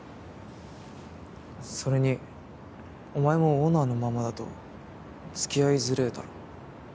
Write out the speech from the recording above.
それにお前もオーナーのままだとつきあいづれぇだろ。